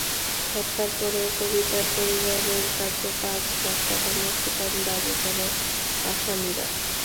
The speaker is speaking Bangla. হত্যার পরেও কবিতার পরিবারের কাছে পাঁচ লাখ টাকা মুক্তিপণ দাবি করে আসামিরা।